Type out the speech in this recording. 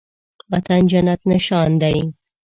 وطن جنت نشان دی